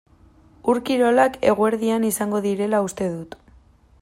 Ur-kirolak eguerdian izango direla uste dut.